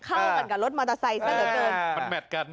เข้ากันกับรถมอเตอร์ไซส์สักหน่อยเกิน